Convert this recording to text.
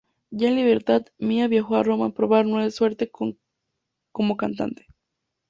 Ya en libertad, Mia viajó a Roma a probar suerte como cantante.